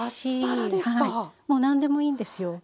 何でもいいんですよ